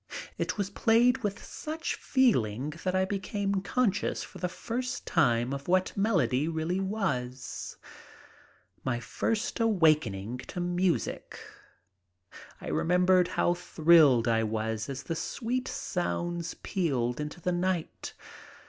It was played with such feeling that I became conscious for the first time of what melody really was. My first awakening to music. I remembered how thrilled I was as the sweet sounds pealed into the night.